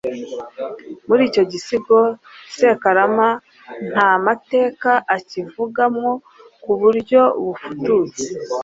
Muri icyo gisigo, Sekarama ntamateka akivuga mwo ku buryo bufututse.